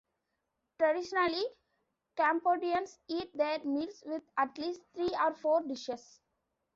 Traditionally, Cambodians eat their meals with at least three or four dishes.